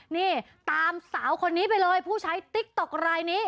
นี่ตามสาวคนนี้ไปเลยผู้ใช้ติ๊กต๊อกรายนี้